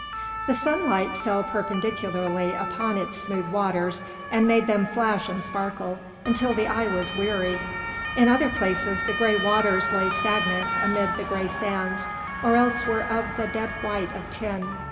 The sunlight fell perpendicularly upon its smooth waters, and made them flash and sparkle until the eye was weary; in other places, the gray waters lay stagnant amid the gray sands, or else were of the dead white of tin.